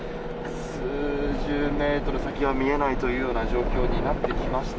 数十メートル先は見えないという状況になってきました。